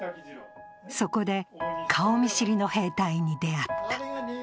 そこで顔見知りの兵隊に出会った。